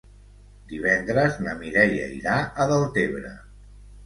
Divendres na Mireia irà a Deltebre.